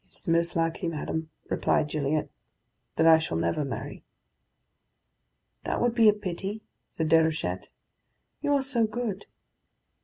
"It is most likely, madam," replied Gilliatt, "that I shall never marry." "That would be a pity," said Déruchette; "you are so good."